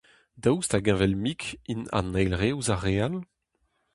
Daoust hag heñvel-mik int an eil re ouzh ar re all ?